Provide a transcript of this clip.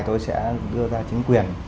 thì tôi sẽ đưa ra chính quyền